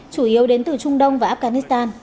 chủ yếu đến từ trung đông và afghanistan